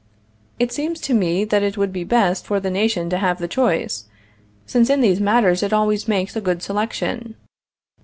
It seems to me that it would be best for the nation to have the choice, since in these matters it always makes a good selection.